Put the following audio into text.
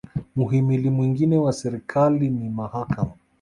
muhimili mwingine wa serikali ni mahakama